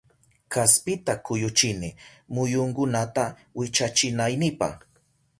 Kaspita kuyuchini muyunkunata wichachinaynipa